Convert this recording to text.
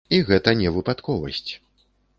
І гэта не выпадковасць.